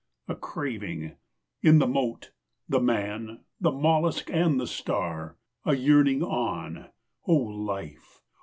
A craving in the mote, the man, The mollusc and the star; A yearning on O life!